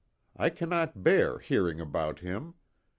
I cannot bear hearing about him.